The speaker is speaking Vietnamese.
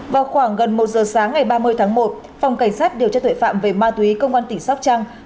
vào khoảng gần một giờ sáng ngày ba mươi tháng một phòng cảnh sát điều tra tuệ phạm về ma túy công an tỉnh sóc trăng phối hợp cùng với bệnh viện đà nẵng